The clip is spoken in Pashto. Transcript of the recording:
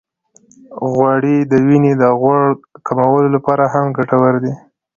غوړې د وینې د غوړ د کمولو لپاره هم ګټورې دي.